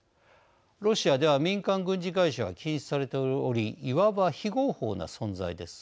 ロシアでは民間軍事会社は禁止されておりいわば非合法な存在です。